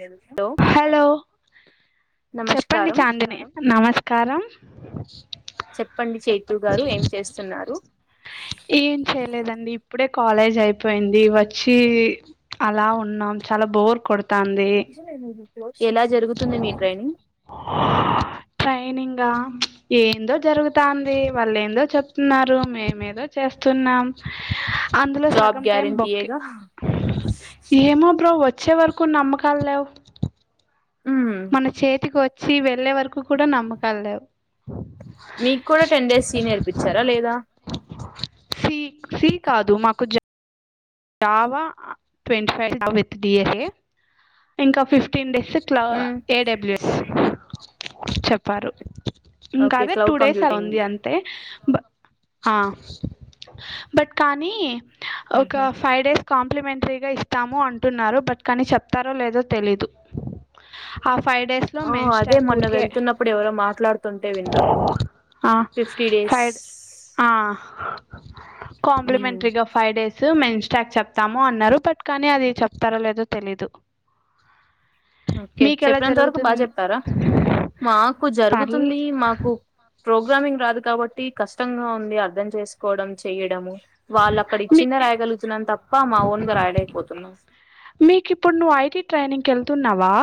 Hello hello చెప్పండి. నమస్కారం చాందిని నమస్కారం. చెప్పండి చైతు చెప్పండి గారు ఏం [unintelligible] చేస్తున్నారు. ఏం చేయలేదండి ఇప్పుడే కాలేజ్ అయిపోయింది వచ్చి అలా ఉన్నాం. చాలా బోర్ కొడతాంది. ఎలా జరుగుతుంది మీ ట్రైనింగ్. రా ఏందో జరుగుతాంది. వాళ్లెందో చెప్తున్నారు. మేమేదో చేస్తున్నాం. అందులో జాబ్ సగం టైం బొక్కే. గ్యారంటీయేగా ఏమో బ్రో వచ్చ చ్చే వరకు నమ్మకాల్లేవ్. మ్మ్ వచ్చి వెళ్ళే వరకు కూడా నమ్మకాల్లేవు. మీక్కూడా టెన్ డేస్ సి నేర్పిచ్చారా లేదా సి సి కాదు మాకు జ జావా ట్వంటీ ఫైవ్ [unintelligible] ఇంకా ఫిఫ్టీన్ డేస్ క్లా మ్మ్ ఏడబల్యూ ఎస్ చెప్పారు. ఇంకా ఓకే అదే టూ క్లౌడ్ డేస్ అలా కంప్యూటింగ్ ఉంది అంతే. హా బట్ కానీ. మ్హూ. ఫై డేస్ కాంప్లిమెంటరీగా ఇస్తాము అంటున్నారు, బట్ కానీ చెప్తారో లేదో తెలీదు. ఆఫ్ ఆ అదే మొన్న వెళ్తున్నప్పుడు ఎవరో మాట్లాడుతుంటే విన్నా. ఆ ఫిఫ్టీ డే ఫైవ్ స్స్ ఆ మ్మ్ కాంప్లిమెంట్రీగా ఫైవ్ డేస్. స మేం ఇన్స్టాక్ చెప్తాము అన్నారు, బట్ కానీ అది చెప్తారా లేదో తెలీదు. ఓకే మీకెలా చెప్పే అంత వరకు జరుగుతుం బాగ చెప్పారా. మాకు పర్ల్ జరుగుతుందీ మాకు, ప్రోగ్రామింగ్ రాదు కాబట్ట్ టి కష్టంగా ఉంది అర్ధం చేసుకోవడం, చెయ్యడము. వాళ్ళు అక్కడ మీ ఇచ్చిందే రాయగలుగుతున్నాం తప్పా, మా ఓన్గా రాయలేక్ పోతున్నాం. ఇప్పుడ్ నువ్వు ఐటీ ట్రైనింగ్ వెళ్తున్నావా.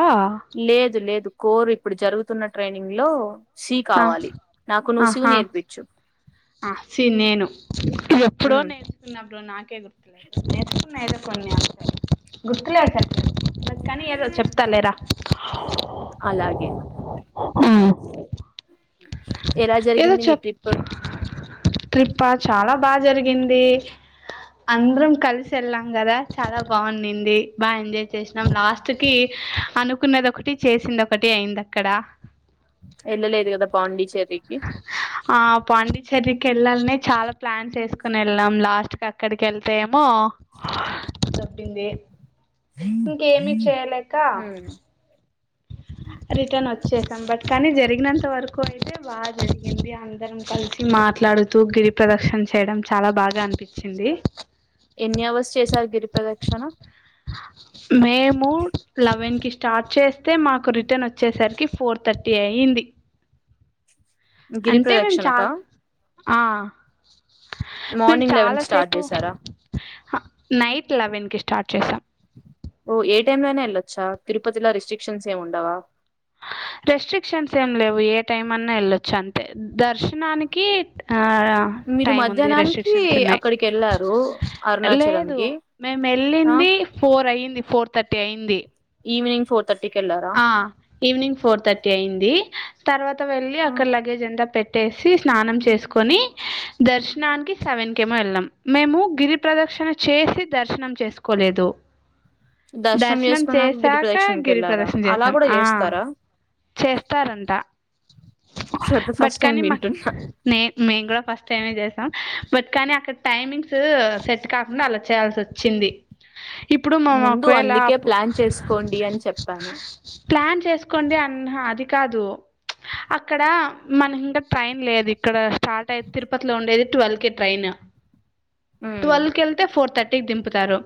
లేదు లేదు కోరు ఇప్పుడు జరుగుతున్న ట్రైనింగ్ లో. షీ ఆ కావాలి నాకు నువ్వు శివు ఆహా నేర్పిచ్చు. ఆ సి నేను, ఎప్పుడో మ్మ్ నేర్చుకున్నప్పుడు నాకే గుర్తులేదు. నేర్చుకున్న ఏదో ఉపన్యాసాలు గుర్తులేద్ సరిగా కాని ఏదో చెప్తా లేరా. అలాగే అఓ ఎలా జరిగింది మీ ట్రిప్ప ట్రిప్పా చాలా బాగా జరిగిందీ. అందరం కల్సి ఎళ్ళాం గదా, చాలా బాగున్నిడింది. బా ఎంజాయ్ చేశినం లాస్ట్ కీ అనుకున్నది ఒకటి చేసింది ఒకటీ అయింది అక్కడా. ఎళ్ళలేదు గదా పాండిచ్చెర్రీకి. ఆ పాండిచెర్రీకెళ్ళాలనే చాలా ప్లాన్ చేసుకొని ఎళ్ళాం లాస్ట్ కి అక్కడికి ఎళ్తే ఏమో. దొబ్బిందీ ఇంకేమి చేయలేకా. మ్మ్ రిటర్న్ వచ్చేసాం బట్ కానీ జరిగినంత వరకు అయితే బాగా జరిగింది అందరం కలిసి మా మాట్లాడుతూ గిరి ప్రదక్షణ్ చేయడం చాలా బాగా అనిపిచ్చిందీ. ఎన్ని అవర్స్ చేశారు గిరి ప్ర్రదక్షణా. మేము లెవెన్ కి స్టార్ట్ చేస్త్ తే మాకు రిటర్న్ వచ్చేసరికి ఫోర్ థర్టీ అయ్యింది. అంటే మేము గిరిప్రదక్షణకా. చాలా ఆ మేమ్ మార్నింగ్ లెవెన్ కి స్టార్ట్ చాలాసేపు. చేశారా హ నైట్ లెవెన్కి స్టార్ట్ చేసాం. ఓ ఏ టైం లో అయినా వెళ్ళొచ్చా తిరుపతిలో రిస్ట్రిక్షన్స్ ఏమి ఉండవా. రెస్ట్రిక్షన్స్ ఏం లేవు ఏ టైం అన్నా వెళ్ళొచ్చు అంతే. దర్శనానికీ ఆడా మీరు టైం ఉంది మధ్యాహ్నానికి రెస్ట్రిక్షన్స్ ఉన్నాయ్. అక్కడికెళ్లారు లేదు అరుణాచలంకి. మేమ్ ఏ ఆ! వెళ్ళిందీ ఫోర్ అయింది, ఫోర్ థర్టీ అయింది. ఈవినింగ్ ఫోర్ ఆ ఈవినింగ్ ఫోర్ థర్టీ అయిందీ. తర్వాత వెళ్ళి ఆ! అక్కడ లగేజ్ అంతా పెట్ ట్టేసీ స్నానం చేసుకొనీ, దర్శనానికి సెవెన్ కేమో వెళ్ళాం. మేము గిరి ప్రదక్ష క్షణ చేసి దర్శనం చేసుకోలేదు. దర్శనం చేసుకున్నాక గిరి చేసాక ప్రదక్షణకి గిరి వెళ్ళారా. అలా గూడా చేస్తారా. చేస్తారంటా. For the but first time కానీ మ వింటున్నా. మేమ్ మేము గూడా ఫస్ట్ టైం. మే చేసాం. బట్ కానీ అక్కడ టైమింగ్సూ సెట్ కాకుండా అలా చేయాల్సి వచ్చింది. ఇప్పుడు మేము ముందు అందుకే ఒకవేళ ప్లాన్ చేసుకోండి అని చెప్పాను. ప్లాన్ చేసుకోండి అం న్నాహ అది కాదు. ప్చ్ అక్కడా మనకింకా ట్రైన్ లేదు ఇక్కడా స్టార్ట్ అయి తిరుపతిలో ఉండేది ట్వెల్ కి ట్రైను. హ్మ్. ట్వెల్వ్ కి వెళ్తే ఫోర్ థర్ట్ దింపుతారు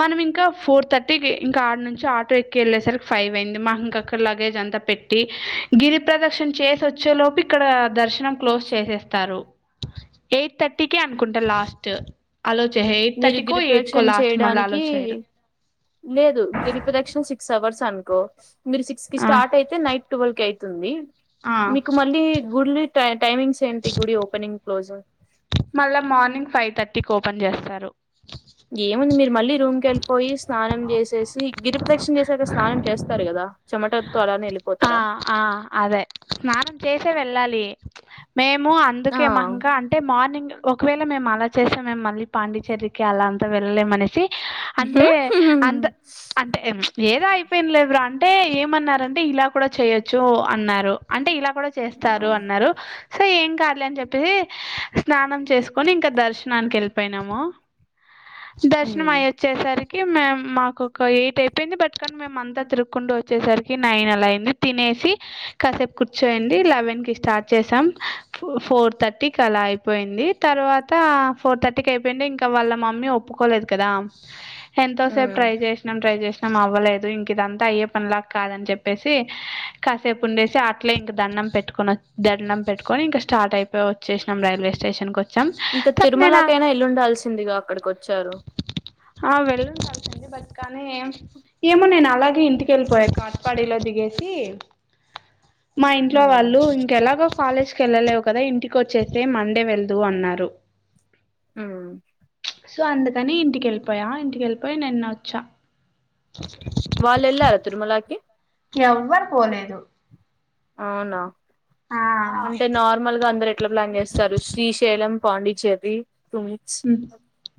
మనం ఇంకా ఫోర్ థర్టీకి ఇంకా ఆడునుంచి ఆటో ఎక్కి ఏళ్ళేసరికి ఫైవ్ అయింది ఇంకక్క లాగేజ్ అంత పెట్టి గిరి ప్రదక్షణ చేసి వచ్చే లోపు ఇక్కడ దర్శనం క్లోజ్ చేసేస్తారు ఎయిట్ థర్టీ కే అనుకుంటా లాస్ట్ అలో చేయరు ఎయిట్ మీరు థర్టీకో ఎయిట్కో గిరిప్రదక్షణ లాస్ట్ మళ్ళీ చేయడానికి అలో చేయరు లేదు గిరిప్రదక్షణ సిక్స్ అవర్స్ అను కో మీరు సిక్స్ కి ఆ స్టార్ట్ అయితే నైట్ ట్వెల్ కి అయితుంది ఆ మీకు మళ్ళీ గు ట టైమింగ్స్ ఏంటి గుడి ఓపెనింగ్ క్లోజింగ్ టిక్ ఓపెన్ చేస్తారు ఏముంది మీరు మళ్ళీ రూమ్ కేళ్ళిపోయి స్నానం చేసేసి తి గిరిప్రదక్షణ చేసాక స్నానం చేస్తారు కదా చెమట ఆ ఆ అదే స్నానం చేసే వెళ్ళాలి మేము ఆ అందుకే మాకింకా అంటే మార్నింగ్ ఒకవేళ మేము అలా చేసా మేము మళ్ళీ పాండిచేరికి అలా అంతా వెళ్ళలేం అనేసి అంటే అంద అంటే ఏదో అయిపోయింది లే బ్రా అంటే ఏమన్నారంటే ఇలా కూడా చెయొచ్చు అన్నారు అంటే ఇలా కూడా ఆ చేస్తారు అన్నారు టే ఏం కాదు లే అని చెప్పేసి స్నానం చేసుకొని ఇంకా దర్శనానికి వెళ్ళిపోయినాము ఉమ్ దర్శనం అయి వచ్చేసరి కి మేమ్ మాకు ఒక ఎయిట్ అయిపోయింది బట్ కానీ మేము అంతా తిరుకుంటు వచ్చేసరికి నైన్ అలా ఐ తినేసి కాసేపు కూర్చోయిండి లేవన్ కి స్టార్ట్ చేశాం ఫోర్ థర్టీకి అలా అయిపోయింది తర్వాత ఫోర్ థర్టీ కయిపోయింది ఇంకా వాళ్ళ మమ్మీ ఒప్పుకోలేదు కదా ఎంతోసేపు ఉమ్ ట్రై చేసినాం ట్రై చేసినాం అవ్వలేదు ఇంక ఇదంతా అయ్యే పనిలాగా కాదని చెప్పేసి కాసేపు ఉండేసి అట్లే ఇంక దండం పెట్టుకనిచ్చ దండం పెట్టుకొని ఇంకా స్టార్ట్ అయిపోవచ్చు వచ్చేషినం రైల్వే స్టేషన్ కు వ ఇంకా తిరుమలకైనా ఎల్లుండాల్సిందిగా అక్కడికి వచ్చారు ఆ వెళ్ళుండాల్సింది బట్ కానీ ఏం ఏమో నేను అలాగే ఇంటికి వెళ్ళిపోయా కాట్పాడిలో ది గేసి మా ఇంట్లో ఉమ్ వాళ్ళు ఇంకెలాగో కాలేజ్కి ఏళ్ళలేవు కదా ఇంటికి వచ్చేసేయి మండే వెళ్దువు అన్నారు ఉ సో అందుకని ఇంటికేళ్ళిపోయా ఇంటికెళ్ళిపోయి నిన్న వచ్చా వాళ్ళు ఎల్లారా తిరుమలకి ఎవ్వరు పోలేదు అవునా ఆ అంటే నార్మల్గా అందరు ఎట్లా ప్లాన్ చేస్తారు శ్రీశైలం పాండిచెర్రీ టు మినిట్స్ ఉమ్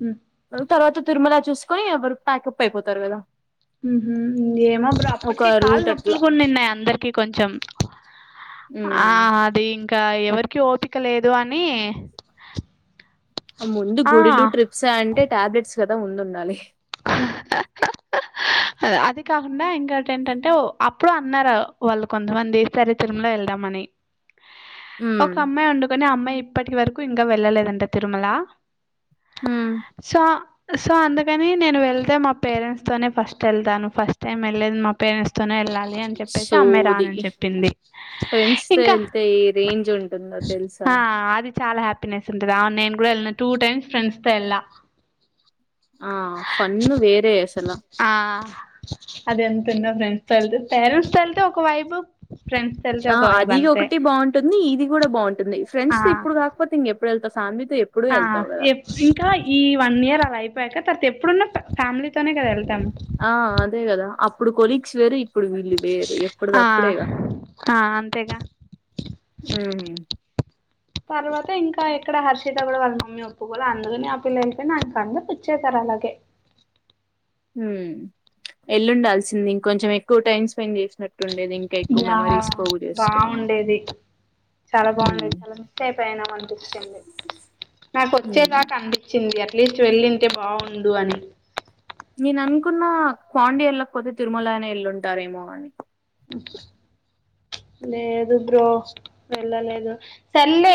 ఉమ్ ఆ తర్వాత తిరుమల చూసుకొని ఎవరు ప్యాకప్ అయిపోతారు కదా ఉహు ఏమో బ్రో ఒక అప్పటికి కాళ్లు రూట్ అట్లా నొప్పులుగా ఉన్నాయిమే అందరికి కొంచెం ఆ ఉమ్ అది ఇంకా ఇంకా ఎవరికి ఓపిక లేదు అని ముందు ఆ గుడిలు ట్రిప్స అంటే టాబ్లెట్స్ కదా ముందు ఉండాలి అ- అది కాకుండా ఇంకొటెంటంటే అప్పుడు అన్నారు వాళ్ళు కొంతమంది ఈసారీ తిరుమల ఎల్దామ్ మని హ్మ్. ఒక అమ్మాయి వండుకొని ఆ అమ్మాయి ఇప్పటి వరకు ఇంకా వెళ్ళలేదంట తిరుమల హ్మ్. సో సో అందుకని నేను వెళ్తే మా పేరెంట్స్ తోనే ఫస్ట్ వెళ్తాను ఫస్ట్ టైమ్ వెళ్లేది మా పేరెంట్స్ తోనే ఏళ్ళ లి అని చెప్పేసి అమ్మాయి సోది రానని చెప్పింది ఫ్రెండ్స్‌తో ఇంకా ఎళ్తే ఏ రేంజ్ ఉంటుందో తెలుసా? ఆ అది చాలా హ్యాపీనెస్ ఉంటది అవును నేను కూడా వెలిన టూ టైమ్స్ ఫ్రెండ్స్ తో వెళ్ళ ఆ! ఫన్ వేరే అసల. ఆ అది ఎంతన్నా ఫ్రెం స్ [inaudible] ఆ అది ఒకటి బాగుంటుంది ఇది కూడా బాగుంటుంది ఆ ఫ్రెండ్స్ ఇప్పుడు కాకపోతే ఇంక ఎప్పుడు వెళ్తా ఫ్యామిలీ ఆ ఇంకా ఈ వన్ ఇయర్ అలా అయిపోయాక తర్వాత ఎప్పుడున్న ఫ్యామిలీ ఆ అదే కదా అప్పుడు కొలీస్ వేరు ఇప్పుడు వీళ్ళు వేరు ఎప్పుడుద ఆ అప్పుడేగా ఆ అంతేగా ఆమ్ తర్వాత ఇంకా ఎక్కడ హర్ష కూడా వాళ్ళ మమ్మీ ఒప్పుకోలా అందుకని ఆ పిల్లపో నాకు అందరూ పిచ్చేస్తారు అలాగే ఎల్లుండాల్సిందంది ఇంకొంచెం ఎక్కువ టైమ్ స్పెండ్ చేస్త ట్టుండేది ఇంకా ఎక్కువ యా మెమరీస్ పోగు చేసుకునీ బాగుండేది చాలా బాగున్నాయి చాలా మిస్ట్ అయిపోయానా అనిపిస్తుంది నాకు హ్మ్. వచ్చేదాకా అనిపచ్చింది అట్లీస్ట్ వెళ్ళింటే బాగుడు అని నేను అనుకున్న పాండి వెళ్ళకపోతే తిరుమల నీ ఎల్లుుంటారేమో అని లేదు బ్రో వెళ్ళ లేదు సెల్లె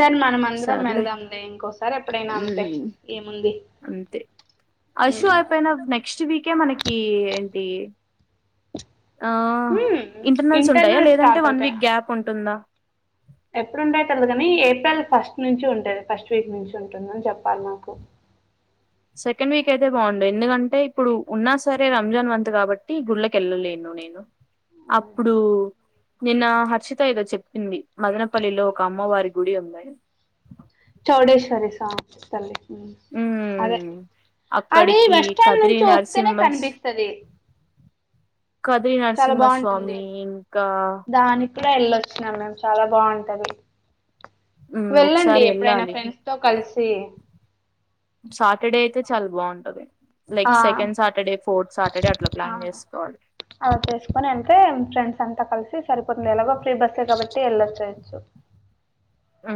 సారి మనంమందరం సర్లే వెళ్దాం లే ఇంకోసారి ఎప్పుడైనా అంతే మ్మ్ ఏముంది అశో అయిపోయిన నెక్స్ట్ వీకే మనకి ఏంటి ఆ హ్మ్ ఇంటర్నల్స్ ఉంటాయా ఇంటర్నల్ లేదంటే స్టార్ట్ వన్ అవుతాయి వీక్ గ్యాప్ ఉంటుందా కాని ఏప్రిల్ ఫస్ట్ నుంచి ఉంటది ఫస్ట్ వీక్ నుంచి ఉంటుందని చెప్పారూ మాకు సెకండ్ వీక్ అయితే బాగుండు ఎందుకంటే ఇప్పుడు ఉన్నా సరే రంజాన్ మంత్ కాబట్టి గుళ్కి వెళ్ళలేను నేను మ్మ్. అప్పుడు నిన్న హర్షిత ఏదో చెప్పింది మదనపల్లిలో ఒక అమ్మవారికి గుడి ఉన్నాయి చౌడేశ్వరి తల్లి అదే మ్మ్ అది అక్కడికి బస్ స్టాండ్ కదిరి నుంచి వస్తేనే నరసింహస్ కనిపిస్తుంది కదిరి నరసింహస్వామి ఇంకా ఇక్కడ వెళ్ళొచ్చినం మేము చాలా బాగుంటది మ్ వెళ్ళండి ఒకసారి ఎప్పుడైనా వెళ్ళాలి ఫ్రెండ్స్ తో కలిసి సాటర్డే అయితే చాలా బాగుంటది లైక్ ఆ సెకండ్ సాటర్డే ఫోర్త్ సాటర్డే అట్లా ఆ ప్లాన్ చేసుకోవాలి అలా చేసుకొని వెళ్తే ఫ్రెండ్స్ అంతా కలిసి సరిపోతుంది ఎలాగో ఫ్రీ బస్సే కాబట్టి చ్చ ఎలా చచ్చ ఆ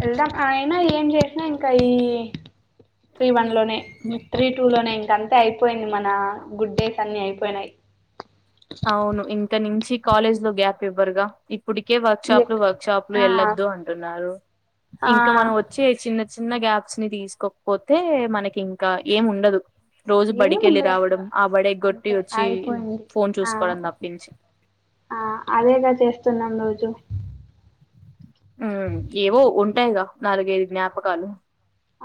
వెళ్దాం ఆయన ఏం చేసినా ఇంకా అయ త్రీ వన్ లోనే త్రీ టూ లోనే ఇంక అంతే అయిపోయింది మన గుడ్ డేస్ అన్ని అయిపోయినాయి అవును ఇంకా నుంచి కాలేజ్ లో గ్యాప్ ఇవ్వరుగా. ఇప్పుటికే వర్ షాప్లు ఎక్ వర్ షాప్లు ఆ వెళ్ళొదు అంటున్నారు ఆ ఇంకా మనం వచ్చే చిన్న. చిన్న గ్యాప్స్ ని తీసుకోకపోతే మనకి ఇంకా ఏం ఉండదు. రోజు ఏం బడికి వెళ్ళి ఉండదు అసలు రావడం ఆ బడి ఎగ్గొట్టి అంతే వచ్చి అయిపోయింది ఫోన్ ఆ చూసు. ఆ అదేగా చేస్తున్నాం రోజు. ఉ ఏవో ఉంటాయిగా నాలుగైదు జ్ఞాపకాలు.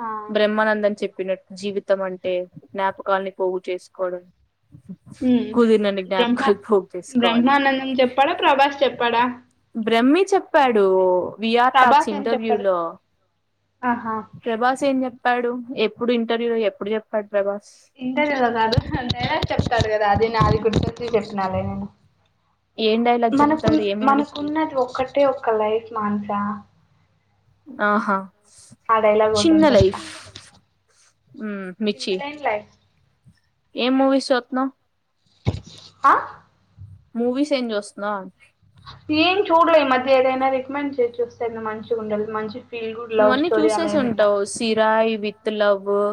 ఆ బ్రహ్మానందని చెప్పినట్టు జీవితం అంటే జ్ఞాపకల్ని పోగు చేసుకోవడం. ఉమ్ కుదిరినన్న బ్రహ్మ జ్ఞాపకాలు పోగేసుకోవాలి. బ్రహ్మానందం చెప్పాడా ప్రభాస్ చెప్పాడా బ్రహ్మి చెప్పాడు విఆర్ టాక్స్ ప్రభాస్ ఏం ఇంటర్వ్యూ చెప్పాడు లో. ఆహా ప్రభాస్ ఏం చెప్పాడు ఎప్పుడు ఇంటర్వ్యూలో ఎప్పుడు చెప్పాడు. ప్రభాస్ ఇంటర్వలో కాదు అంటేనే చెప్తాడు కదా అది నాది కూర్చొచ్చి చెప్పినాలే నేను. ఏం డైలాగ్ మనకు చెప్తాడు ఏ మూవీ మనకున్నది ఒక్కటే ఒక లైఫ్ మానస ఆహా. ఆ డైలాగ్ ఒకటి చిన్న ఉంటది కదా లైఫ్ మిచి. చింతలేని లైఫ్ ఏం మూవీస్ సూతానావ్. అ. మూవీస్ ఏం చూస్తున్నావ్ ఏం చూడలే ఈ మధ్య ఏదైనా రికమెండ్ చేసి చూస్తే మంచిగా ఉండదు మంచి. ఫీల్ గుడ్ లవ్ నువ్వన్నీ స్టోరీ అలా చూసేసి ఏదైనా ఉంటావు సిరాయ్ విత్ లవ్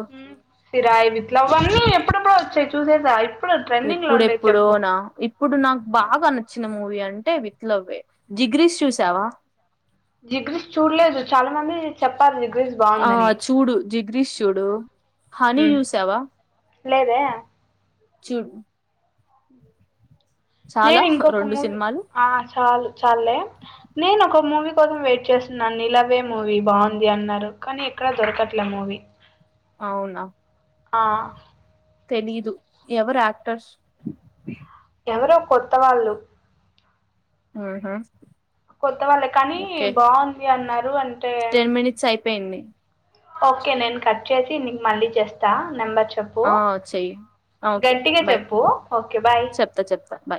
సిరా ఇట్లా ఇవన్నీ ఎప్పుడు ఎప్పుడో వచ్చాయి చూసేసా. ట్రెండింగ్ లో ఉండేది ఎప్పుడెప్పుడో చెప్పు నా ఇప్పుడు నాకు బాగా నచ్చిన మూవీ అన్ విత్లవ్వే జిగ్రీస్ చూసావా చెప్పాలే ఆ చూడు జిగ్రీష్ చూడు హనీ చూసావా. లేదే చూడు చాలా నేను ఇంకొక రెండు మూవీ సినిమాలు ఆ చాలు చాలే నేను ఒక మూవీ. కోసం వెయిట్ చేస్తున్నా నీలవే మూవీ బాగుంది అన్నారు కానీ ఎక్కడ దొరకట్లే మూవీ. అవునా ఆ తెలీదు ఎవరు యాక్టర్స్ ఎవరో కొత్త వాళ్ళు ఉహు కొత్త వాళ్ళే కానీ బాగుంది అన్నారు అంటే టెన్ మినిట్స్ అయిపోయింది ఓకే నేను కట్ చేసి నీకు మళ్ళీ చేస్తా నెంబర్ చెప్పు ఆ చెయ్యి ఆ, ఓకే గట్టిగా బాయ్ చెప్పు ఓకే బాయ్ చెప్తా చెప్తా బాయ్